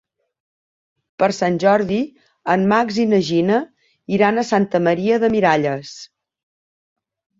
Per Sant Jordi en Max i na Gina iran a Santa Maria de Miralles.